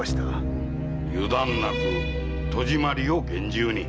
油断なく戸締まりを厳重に。